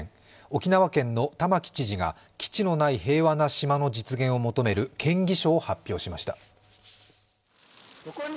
沖縄県の玉城知事が基地のない平和な島の実現を求める建議書を発表しました。